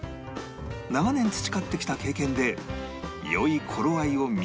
長年培ってきた経験で良い頃合いを見定める